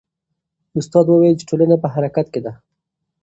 استاد وویل چې ټولنه په حرکت کې ده.